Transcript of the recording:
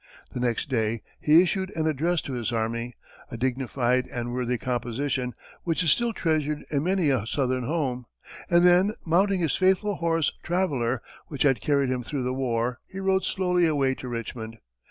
The next day, he issued an address to his army, a dignified and worthy composition, which is still treasured in many a southern home; and then, mounting his faithful horse, Traveller, which had carried him through the war, he rode slowly away to Richmond.